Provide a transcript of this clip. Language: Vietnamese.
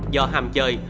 do hàm chơi